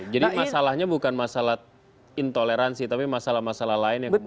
jadi masalahnya bukan masalah intoleransi tapi masalah masalah lain yang kemudian